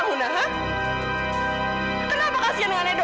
kenapa kasihan ke edo